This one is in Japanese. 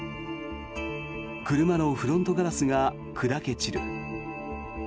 車のフロントガラスが砕け散る。